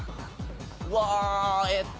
うわえっと。